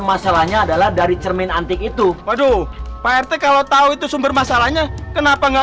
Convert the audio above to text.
masalahnya adalah dari cermin antik itu aduh pak rt kalau tahu itu sumber masalahnya kenapa nggak